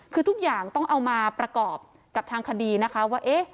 คือทุกอย่างต้องเอามาประกอบกับทางคดีนะคะว่า